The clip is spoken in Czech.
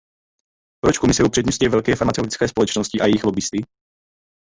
Proč Komise upřednostňuje velké farmaceutické společnosti a jejich lobbisty?